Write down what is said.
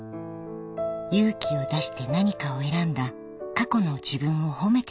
［勇気を出して何かを選んだ過去の自分を褒めてやろう］